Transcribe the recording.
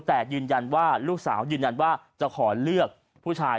แต่ลูกสาวยืนยันว่าจะขอเลือกผู้ชาย